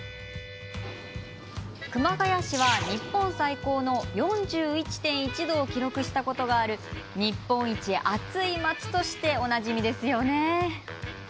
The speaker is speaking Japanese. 熊谷市は日本最高の４１．１度を記録したことがある日本一暑い町としておなじみですよね。